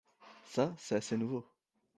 Ça c'est assez nouveau.